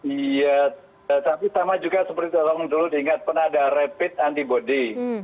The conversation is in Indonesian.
iya tapi sama juga seperti tolong dulu diingat pernah ada rapid antibody